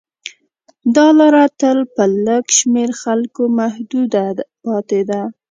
دا لاره تل په لږ شمېر خلکو محدوده پاتې ده.